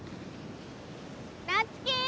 夏樹！